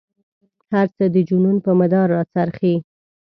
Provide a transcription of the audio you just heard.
هر څه د جنون په مدار را څرخي.